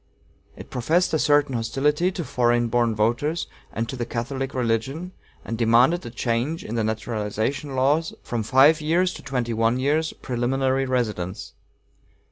It professed a certain hostility to foreign born voters and to the Catholic religion, and demanded a change in the naturalization laws from a five years' to a twenty one years' preliminary residence.